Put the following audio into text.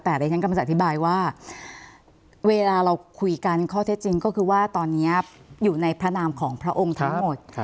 แต่ดิฉันกำลังจะอธิบายว่าเวลาเราคุยกันข้อเท็จจริงก็คือว่าตอนนี้อยู่ในพระนามของพระองค์ทั้งหมด